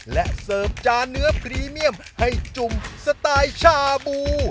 และเสริมจานเนื้อพรีเมียมให้จุ่มสไตล์ชาบู